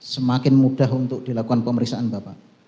semakin mudah untuk dilakukan pemeriksaan bapak